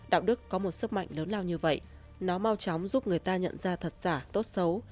đạo đức có một sức mạnh lớn lao như vậy nó mau chóng giúp người ta nhận ra thật giả tốt xấu